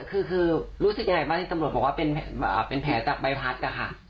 คือรู้สึกยังไงบ้างที่ตำรวจบอกว่าเป็นแผลจากใบพัดนะคะ